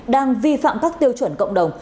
đang vi phạm các tiêu chuẩn cộng đồng